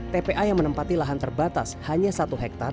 tpa yang menempati lahan terbatas hanya satu hektare